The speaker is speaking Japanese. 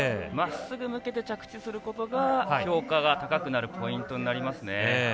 まっすぐ向けて着地することが評価が高くなるポイントになりますね。